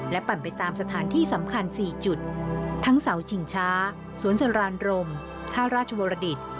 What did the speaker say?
ปั่นไปตามสถานที่สำคัญ๔จุดทั้งเสาชิงช้าสวนสรานรมท่าราชวรดิต